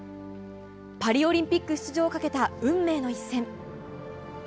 パリオリンピック出場をかけた運命の一戦。